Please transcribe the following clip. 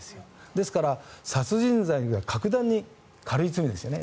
ですから、殺人罪より格段に軽い罪ですよね。